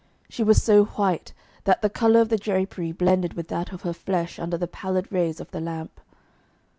She was so white that the colour of the drapery blended with that of her flesh under the pallid rays of the lamp.